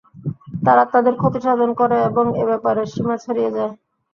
তারা তাদের ক্ষতিসাধন করে এবং এ ব্যাপারে সীমা ছাড়িয়ে যায়।